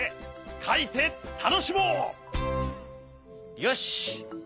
よし。